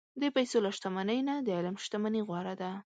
د پیسو له شتمنۍ نه، د علم شتمني غوره ده.